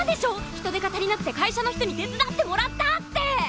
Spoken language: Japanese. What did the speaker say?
人手が足りなくて会社の人に手伝ってもらったって！